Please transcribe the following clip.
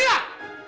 ampun pak ampun